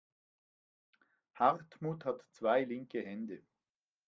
Hartmut hat zwei linke Hände.